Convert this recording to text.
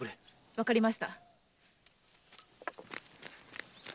わかりました。